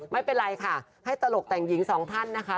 ไม่เป็นไรค่ะให้ตลกแต่งหญิงสองท่านนะคะ